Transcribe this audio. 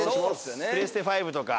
プレステ５とか。